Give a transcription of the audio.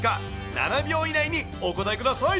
７秒以内にお答えください。